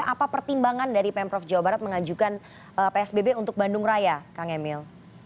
apa pertimbangan dari pemprov jawa barat mengajukan psbb untuk bandung raya kang emil